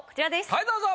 はいどうぞ。